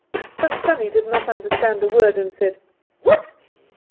Tant Sannie did not understand a word, and said: "What?"